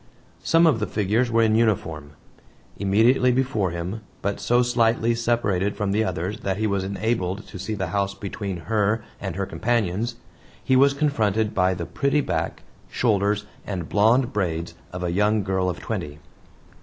Some of the figures were in uniform. Immediately before him, but so slightly separated from the others that he was enabled to see the house between her and her companions, he was confronted by the pretty back, shoulders, and blond braids of a young girl of twenty.